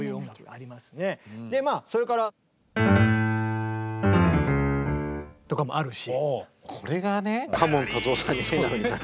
でまあそれから。とかもあるし。